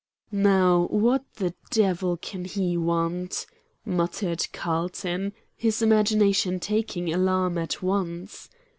"Now what the devil can he want?" muttered Carlton, his imagination taking alarm at once.